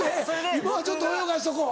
今はちょっと泳がしとこう。